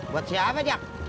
buat siapa jak